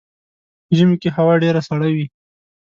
ژمی کې هوا ډیره سړه وي .